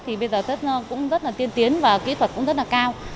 thì bây giờ cũng rất là tiên tiến và kỹ thuật cũng rất là cao